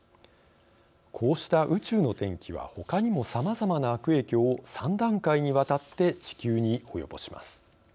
こうした「宇宙の天気」はほかにも、さまざまな悪影響を３段階にわたって地球に及ぼします。